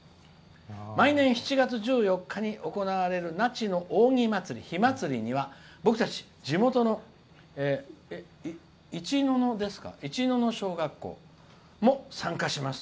毎年、７月１４日に行われる那智のお祭りには僕たち地元の小学校も参加します。